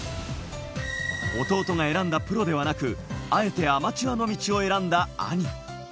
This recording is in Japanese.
弟が選んだプロではなく、あえてアマチュアの道を選んだ兄。